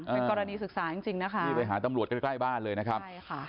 เป็นกรณีศึกษาจริงนะครับไม่ไปหาตำรวจใกล้บ้านเลยนะครับ